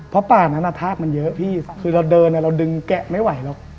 เพราะป่านั้นทากมันเยอะพี่คือเราเดินเราดึงแกะไม่ไหวหรอก